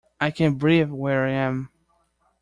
I can't breathe where I am.